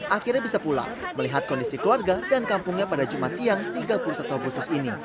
akhirnya bisa pulang melihat kondisi keluarga dan kampungnya pada jumat siang tiga puluh satu agustus ini